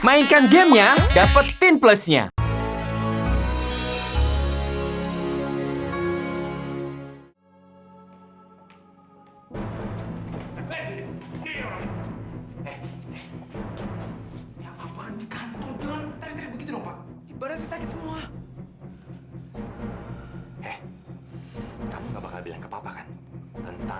mainkan gamenya dapetin plusnya